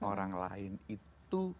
keburukan orang lain itu